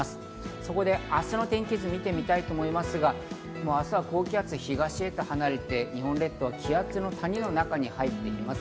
そこで明日の天気図を見てみたいと思いますが、明日は高気圧、東へと離れて日本列島、気圧の谷の中に入ってきます。